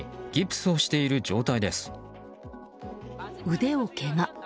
腕をけが。